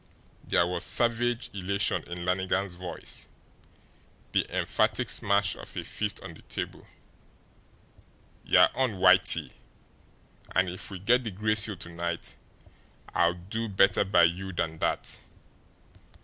There was savage elation in Lannigan's voice, the emphatic smash of a fist on the table. "You're on, Whitey. And if we get the Gray Seal to night, I'll do better by you than that."